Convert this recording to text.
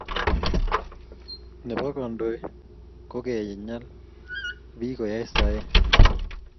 Ne bo kandoe ko kenyay bii koyan sae.